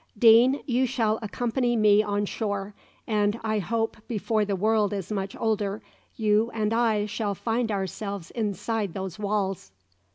"Deane, you shall accompany me on shore; and I hope before the world is much older, you and I shall find ourselves inside those walls."